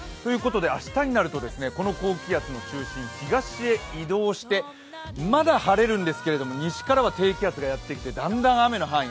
明日になるとこの高気圧の中心、東へ移動してまだ晴れるんですけど、西からは低気圧がやってきてだんだん雨の範囲